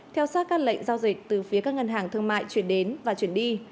theo sát các lệnh giao dịch từ phía các ngân hàng thương mại chuyển đến và chuyển đi